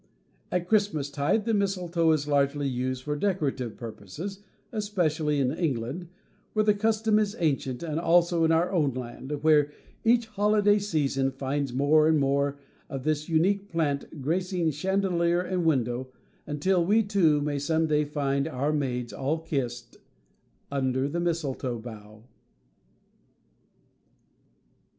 At Christmas tide the mistletoe is largely used for decorative purposes, especially in England, where the custom is ancient, and also in our own land, where each holiday season finds more and more of this unique plant gracing chandelier and window, until we, too, may some day find our maids all kissed "Under the mistletoe bough."